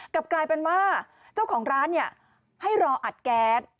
กลับกลายเป็นว่าเจ้าของร้านให้รออัดแก๊ส